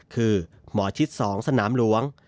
คือหมอชิด๒สนามหลวง